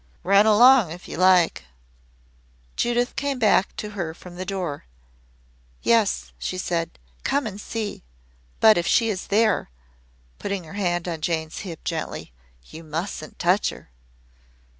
Run along if you like." Judith came back to her from the door. "Yes," she said, "come and see. But if she is there," putting her hand on Jane's hip gently, "you mustn't touch her."